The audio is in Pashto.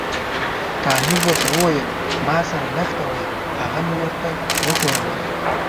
طالب ورته وویل ما سره لښته وه هغه مې ورته وښوروله.